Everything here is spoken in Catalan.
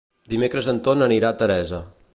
Dimecres en Ton anirà a Teresa.